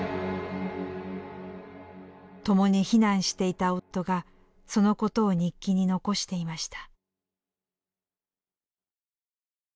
共に避難していた夫がそのことを日記に残していました。